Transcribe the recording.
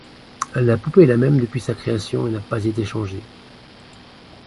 La poupée est la même depuis sa création et n'a pas été changée.